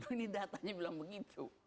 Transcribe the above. ini datanya bilang begitu